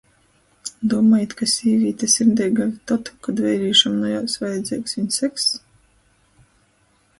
Dūmojit, ka sīvīte sirdeiga tod, kod veirīšam nu juos vajadzeigs viņ sekss?